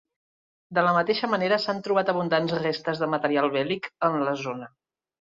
De la mateixa manera, s'han trobat abundants restes de material bèl·lic en la zona.